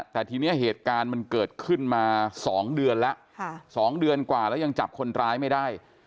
แต่ทีนี้เหตุการณ์มันเกิดขึ้นมา๒เดือนแล้ว๒เดือนกว่าแล้วยังจับคนร้ายไม่ได้